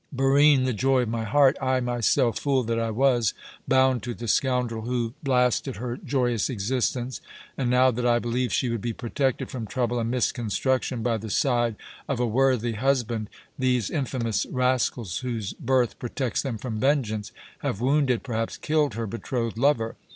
Barine, the joy of my heart, I myself, fool that I was, bound to the scoundrel who blasted her joyous existence; and now that I believed she would be protected from trouble and misconstruction by the side of a worthy husband, these infamous rascals, whose birth protects them from vengeance, have wounded, perhaps killed her betrothed lover.